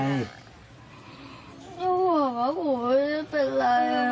นี่เหมาะต่อโอ๊ยเป็นไร